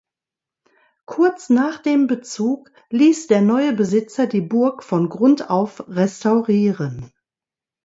Kurz nach dem Bezug ließ der neue Besitzer die Burg von Grund auf restaurieren.